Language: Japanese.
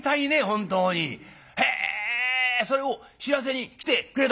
へえそれを知らせに来てくれた？」。